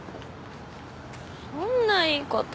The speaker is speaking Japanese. そんな言い方。